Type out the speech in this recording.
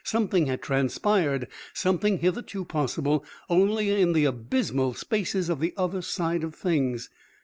Something had transpired, something hitherto possible only in the abysmal spaces of the Other Side of Things.